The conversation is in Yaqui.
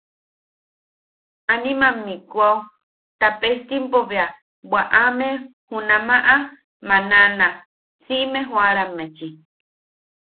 Animam mikwao tapestimpo bea bwaʼame junamaʼa manaʼana siʼime joʼaramme-chi.